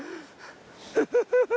フフフフ！